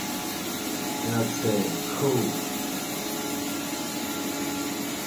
And I'd say, 'Cool!